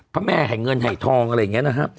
พระแม่ให้เงินให้ทองอะไรอย่างนี้นะฮะ